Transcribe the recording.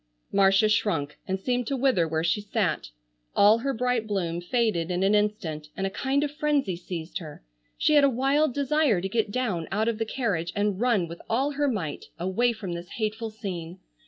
Marcia shrunk and seemed to wither where she sat. All her bright bloom faded in an instant and a kind of frenzy seized her. She had a wild desire to get down out of the carriage and run with all her might away from this hateful scene.